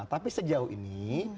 tapi sejauh ini